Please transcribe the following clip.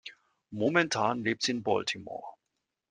Momentan lebt sie in Baltimore.